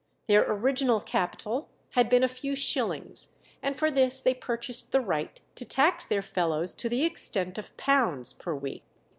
Their original capital had been a few shillings, and for this they purchased the right to tax their fellows to the extent of pounds per week.